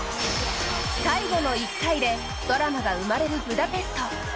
最後の１回でドラマが生まれるブダペスト。